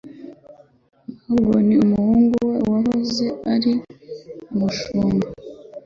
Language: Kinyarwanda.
Morgan, umuhungu we wahoze ari umushumba,